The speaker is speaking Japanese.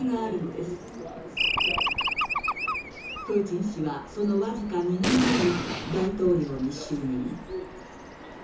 プーチン氏はそのわずか２年後に大統領に就任。